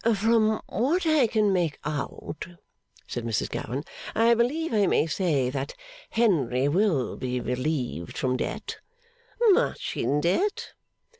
'From what I can make out,' said Mrs Gowan, 'I believe I may say that Henry will be relieved from debt ' 'Much in debt?